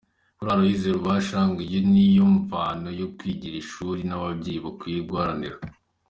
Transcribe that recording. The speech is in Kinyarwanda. Kuri Aloys Rubasha ngo iyo niyo mvano yo kwigira ishuri n’ababyeyi bakwiye guharanira.